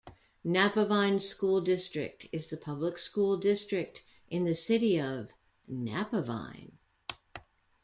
Napavine School district is the public school district in the city of Napavine.